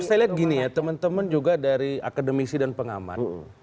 saya lihat gini ya teman teman juga dari akademisi dan pengamat